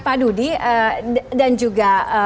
pak dudi dan juga